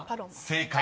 ［正解。